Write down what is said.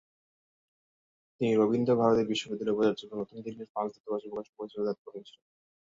তিনি রবীন্দ্র ভারতী বিশ্ববিদ্যালয়ের উপাচার্য এবং নতুন দিল্লির ফ্রান্স দূতাবাসের প্রকাশনা পরিচালকের দায়িত্ব পালন করেছেন।